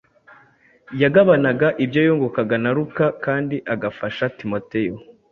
Yagabanaga ibyo yungukaga na Luka, kandi agafasha Timoteyo